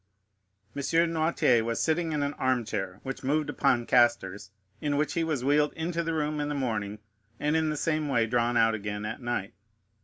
M. Noirtier was sitting in an armchair, which moved upon casters, in which he was wheeled into the room in the morning, and in the same way drawn out again at night.